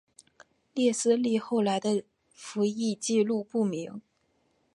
列斯利后来的服役纪录不明。